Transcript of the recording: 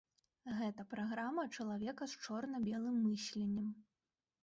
Гэта праграма чалавека з чорна-белым мысленнем.